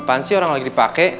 apaan sih orang lagi dipakai